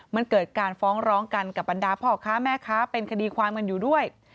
มันเกิดการฟ้องร้องกันกับบรรดาพ่อค้าแม่ค้าเป็นคดีความกันอยู่ด้วย